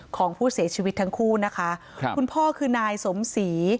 ของผู้เสียชีวิตทั้งคู่นะคะครับคุณพ่อคือนายสมศรี